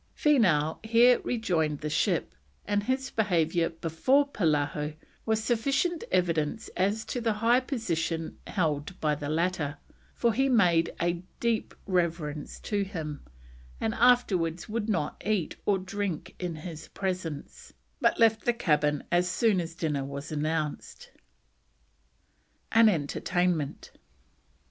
Feenough here rejoined the ship, and his behaviour before Polaho was sufficient evidence as to the high position held by the latter, for he made a deep reverence to him, and afterwards would not eat or drink in his presence, but left the cabin as soon as dinner was announced. AN ENTERTAINMENT.